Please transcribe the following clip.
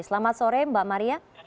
selamat sore mbak maria